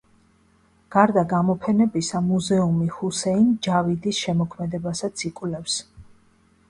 გარდა გამოფენებისა, მუზეუმი ჰუსეინ ჯავიდის შემოქმედებასაც იკვლევს.